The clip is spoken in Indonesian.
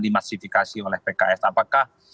dimassifikasi oleh pks apakah